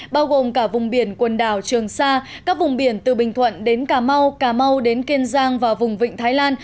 bao gồm cả vùng biển quần đảo trường sa các vùng biển từ bình thuận đến cà mau cà mau đến kiên giang và vùng vịnh thái lan